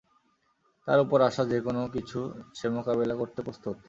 তার উপর আসা যেকোনো কিছু সে মোকাবিলা করতে প্রস্তুত।